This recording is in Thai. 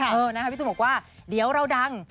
พี่ตูนบอกว่าเดี๋ยวเราดัง